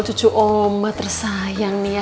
cucu omba tersayang nih ya